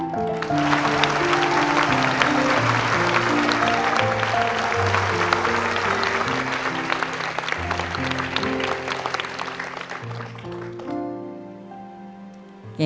ที่จะช่วยแม่